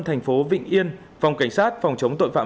thành phố vịnh yên phòng cảnh sát phòng chống tội phạm